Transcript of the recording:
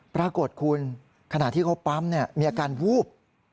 ปรากฏคุณขณะที่เขาปั๊มมีอาการวูบ